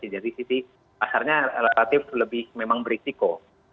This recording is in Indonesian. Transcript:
jadi sisi pasarnya relatif lebih memang berisiko